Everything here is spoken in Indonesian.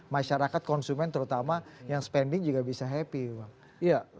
masyarakat konsumen terutama yang spending juga bisa happy bang